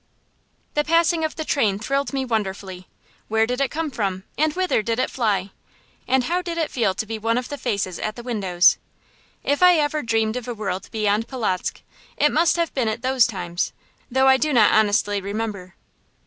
The passing of the train thrilled me wonderfully. Where did it come from, and whither did it fly, and how did it feel to be one of the faces at the windows? If ever I dreamed of a world beyond Polotzk, it must have been at those times, though I do not honestly remember.